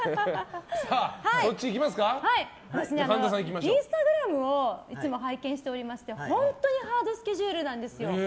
インスタグラムをいつも拝見しておりまして本当にハードスケジュールなんですよ。